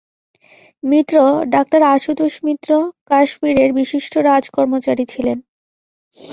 মিত্র, doctor Ashutosh Mitra, কাশ্মীরের বিশিষ্ট রাজকর্মচারী ছিলেন।